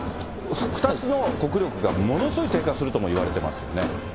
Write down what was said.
２つの国力がものすごい低下するともいわれてますよね。